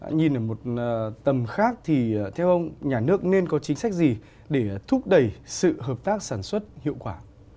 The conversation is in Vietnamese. nhìn ở một tầm khác thì theo ông nhà nước nên có chính sách gì để thúc đẩy sự hợp tác sản xuất hiệu quả